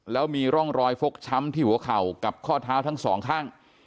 แล้วมีร่องรอยฟกช้ำที่หัวเข่ากับข้อเท้าทั้งสองข้าง